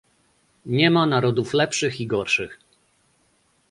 Nie ma narodów lepszych i gorszych